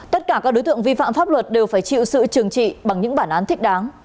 tất cả các đối tượng vi phạm pháp luật đều phải chịu sự trừng trị bằng những bản án thích đáng